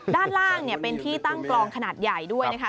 ด้านล่างเป็นที่ตั้งกลองขนาดใหญ่ด้วยนะคะ